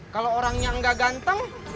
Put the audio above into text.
kalau orangnya nggak ganteng